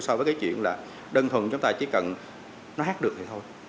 so với cái chuyện là đơn thuần chúng ta chỉ cần nó hát được thì thôi